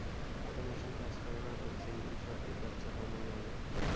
Automation কাজ করে না, তবে সিংগেল শট দিয়ে কাজ চালানো যাবে।